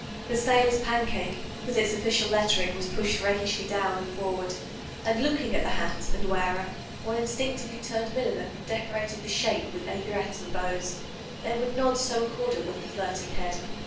The sailor's pancake with its oflScial lettering was pushed raldshly down and forward, and looking at hat and wearer, one instinctively turned milliner and decorated the ^shape with aigrette and bows, — ^they would nod so accordant with the flirting head.